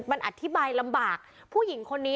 วิทยาลัยศาสตร์อัศวินตรี